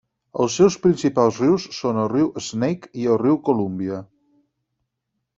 Els seus principals rius són el riu Snake i el riu Columbia.